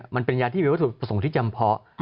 มันเป็นยาที่มีวัตถุประสงค์ที่จำเพาะ